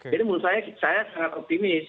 jadi menurut saya saya sangat optimis